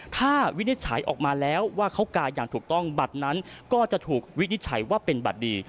ถ้าวินิจฉัยออกมาแล้วว่าเขากายอย่างถูกต้องบัตรนั้นก็จะถูกวินิจฉัยว่าเป็นบัตรดี